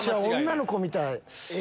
女の子みたい。